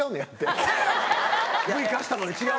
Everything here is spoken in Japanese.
ＶＴＲ貸したのに違う。